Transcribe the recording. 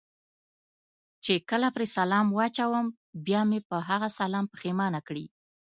چې کله پرې سلام واچوم، بیا مې په هغه سلام پښېمانه کړي.